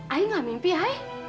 aku gak mimpi aku